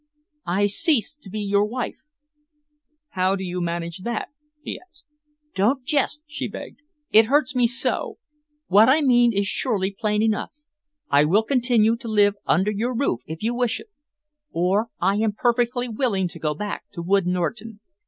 "I cease to be your wife." "How do you manage that?" he asked. "Don't jest," she begged. "It hurts me so. What I mean is surely plain enough. I will continue to live under your roof if you wish it, or I am perfectly willing to go back to Wood Norton.